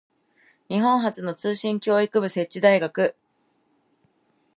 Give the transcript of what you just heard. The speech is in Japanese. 日本初の通信教育部設置大学